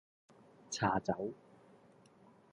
茶走